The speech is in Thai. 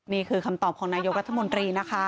นี่คือคำตอบของนายกรัฐมนตรีนะคะ